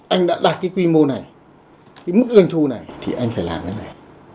anh đã đạt cái quy mô này cái mức doanh thu này thì anh phải làm cái này